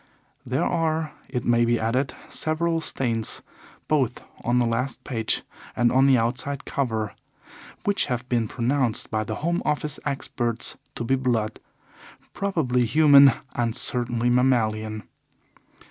There are, it may be added, several stains, both on the last page and on the outside cover which have been pronounced by the Home Office experts to be blood probably human and certainly mammalian.